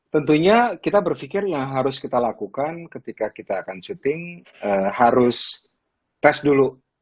tentunya kita berpikir yang harus kita lakukan ketika kita akan syuting harus tes dulu